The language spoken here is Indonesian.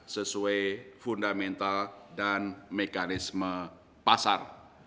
sesuai fundamental dan mekanisme pasar